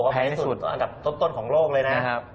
แพงที่สุดอันดับต้นของโลกเลยนะครับ